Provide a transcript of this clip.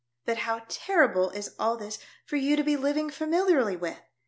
But how terrible is all this for you to be living familiarly with